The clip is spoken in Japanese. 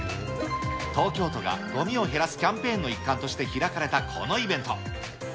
東京都がごみを減らすキャンペーンの一環として開かれたこのイベント。